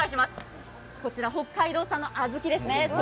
こちら北海道産の小豆ですね。